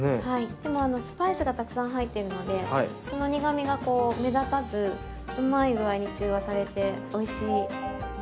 でもスパイスがたくさん入っているのでその苦みがこう目立たずうまいぐあいに中和されておいしい。